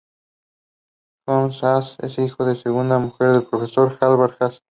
Joseph Haas era hijo de la segunda mujer del profesor Alban Haas.